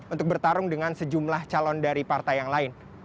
untuk bertarung dengan sejumlah calon dari partai yang lain